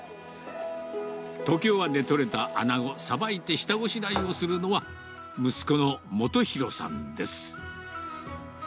東京湾で取れたアナゴ、さばいて下ごしらえをするのは、息子の元洋さんです。